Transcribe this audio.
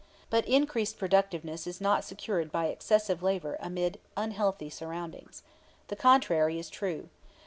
But increased productiveness is not secured by excessive labor amid unhealthy surroundings. The contrary is true.